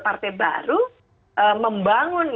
partai baru membangun